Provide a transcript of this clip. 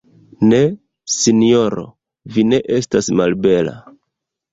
Ne, sinjoro, vi ne estas malbela.